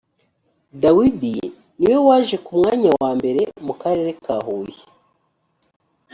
dawidi niwe wje ku mwanya wa mbere mu karere ka huye